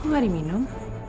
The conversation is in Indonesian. kok nggak diminum